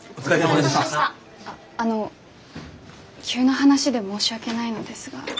あの急な話で申し訳ないのですが。